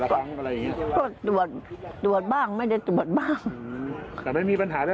แต่ก็ยังยักษ์ออกอยู่